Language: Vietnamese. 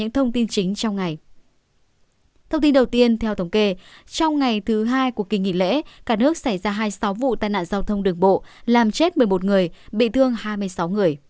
trong hai cuộc kỳ nghỉ lễ cả nước xảy ra hai xóa vụ tàn nạn giao thông đường bộ làm chết một mươi một người bị thương hai mươi sáu người